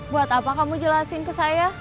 buat apa kamu jelasin ke saya